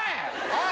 おい！